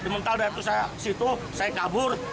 mental dari situ saya kabur